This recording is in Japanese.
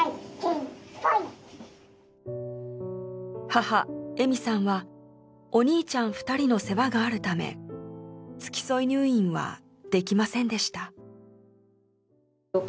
母絵美さんはお兄ちゃん２人の世話があるため付き添い入院はできませんでした。